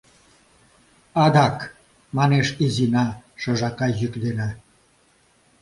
— Адак... — манеш Изина шыжака йӱк дене.